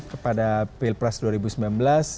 kepada pilpres dua ribu sembilan belas